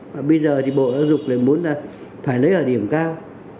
và bây giờ thì bộ giáo dục lại muốn là phải lấy ở điểm cao